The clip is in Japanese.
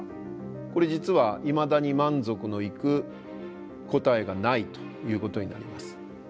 これ実はいまだに満足のいく答えがないということになります。